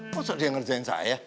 kok dia ngajarin saya